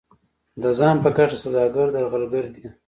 ځان په ګټه سوداګر درغلګر دي.